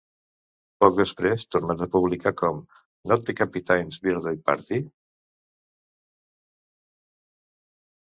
Poc després tornat a publicar com Not The Captain's Birthday Party?